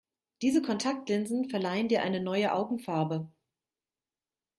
Diese Kontaktlinsen verleihen dir eine neue Augenfarbe.